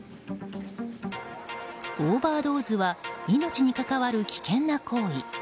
オーバードーズは命に関わる危険な行為。